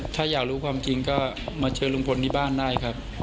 ถ้าอยากรู้ความจริงก็มาเจอลุงพลที่บ้านได้ครับ